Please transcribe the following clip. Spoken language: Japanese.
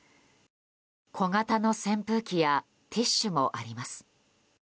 小型の扇風機やティッシュもあります。